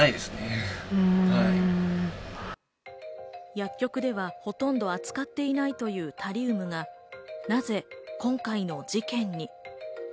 薬局ではほとんど扱っていないというタリウムが、なぜ今回の事件に？